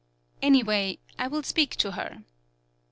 "Anyway, I will speak to her."